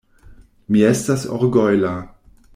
Mi estas orgojla.